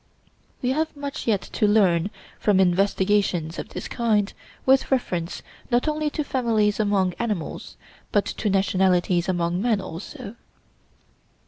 We have much yet to learn, from investigations of this kind, with reference not only to families among animals, but to nationalities among men also....